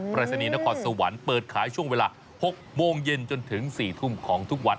รายศนีย์นครสวรรค์เปิดขายช่วงเวลา๖โมงเย็นจนถึง๔ทุ่มของทุกวัน